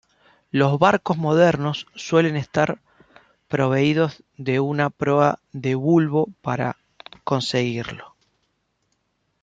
Los barcos modernos suelen estar proveídos de una proa de bulbo para conseguirlo.